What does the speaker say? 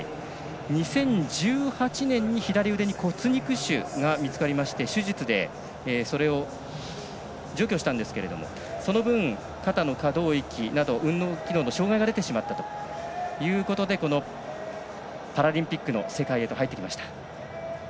２０１８年に左腕に骨肉腫が見つかりまして手術で除去したんですけどその分、肩の可動域など運動機能の障がいが出てしまったということでこのパラリンピックの世界へと入ってきました。